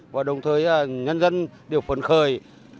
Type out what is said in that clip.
và đồng thời nhân dân đều phấn khắc